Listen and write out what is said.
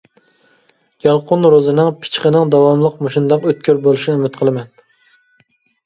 يالقۇن روزىنىڭ پىچىقىنىڭ داۋاملىق مۇشۇنداق ئۆتكۈر بولۇشىنى ئۈمىد قىلىمەن.